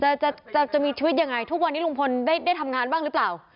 จะมีชีวิตยังไงทุกวันนี้ลุงพลได้ทำงานบ้างหรือเปล่า